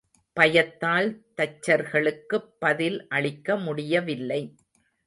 பயத்தால் தச்சர்களுக்குப் பதில் அளிக்க முடியவில்லை.